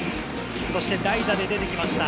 そして代打で出できました。